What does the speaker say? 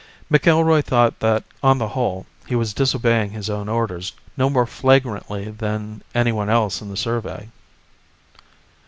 McIlroy thought that on the whole, he was disobeying his own orders no more flagrantly than anyone else in the survey.